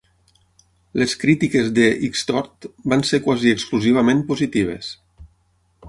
Les crítiques de "Xtort" van ser quasi exclusivament positives.